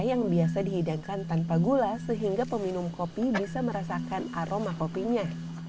yang biasa dihidangkan tanpa gula sehingga peminum kopi bisa merasakan aroma kopinya